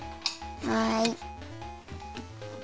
はい。